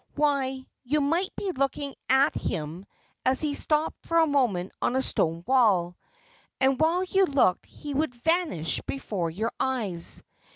Why, you might be looking at him as he stopped for a moment on a stone wall; and while you looked he would vanish before your eyes.